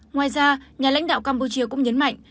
ngoài ra nhà lãnh đạo campuchia cũng nhấn mạnh